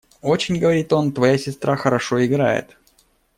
– «Очень, – говорит он, – твоя сестра хорошо играет.